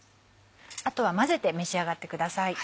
あとは混ぜて召し上がってください。